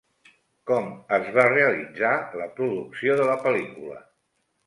Com es va realitzar la producció de la pel·lícula?